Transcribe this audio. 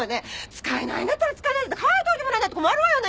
使えないんだったら使えないって書いといてもらえないと困るわよね。